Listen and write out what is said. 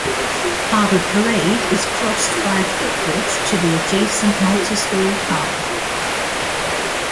Harbour Parade is crossed by a footbridge to the adjacent multi-storey car park.